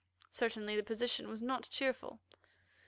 Certainly the position was not cheerful.